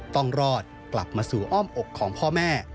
ต้องรอดกลับมาสู่อ้อมอกของพ่อแม่